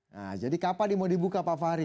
nah jadi kapan ini mau dibuka pak fahri